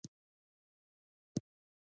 شیشه هم بیا کارول کیدی شي